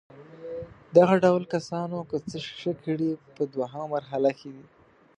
دغه ډول کسانو که څه ښه کړي په دوهمه مرحله کې دي.